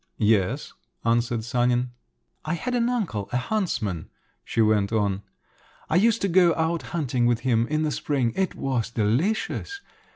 "Yes," answered Sanin. "I had an uncle a huntsman," she went on. "I used to go out hunting with him—in the spring. It was delicious!